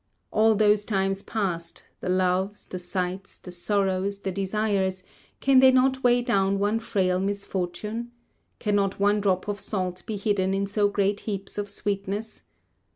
All those times past, the loves, the sights, the sorrows, the desires, can they not weigh down one frail misfortune? Cannot one drop of salt be hidden in so great heaps of sweetness?